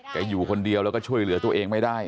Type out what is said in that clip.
อยู่คนเดียวแล้วก็ช่วยเหลือตัวเองไม่ได้